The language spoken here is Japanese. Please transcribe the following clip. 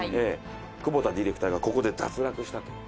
久保田ディレクターがここで脱落したという。